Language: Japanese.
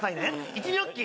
１ニョッキ！